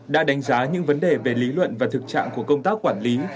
đã đánh giá những vấn đề về lý luận và thực trạng của công tác quản lý